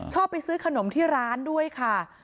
ชอบไปซื้อขนมที่ร้านด้วยค่ะ